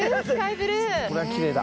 これはきれいだ。